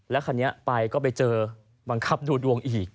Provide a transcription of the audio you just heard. คันนี้ไปก็ไปเจอบังคับดูดวงอีก